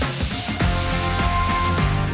ไปเลยค่ะ